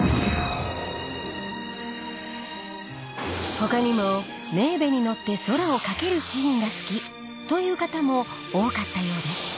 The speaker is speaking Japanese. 他にもメーヴェに乗って空を駆けるシーンが好きという方も多かったようです